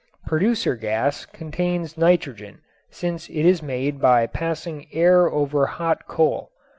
Producer gas contains nitrogen since it is made by passing air over hot coal.